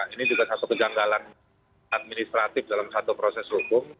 ini juga satu kejanggalan administratif dalam satu proses hukum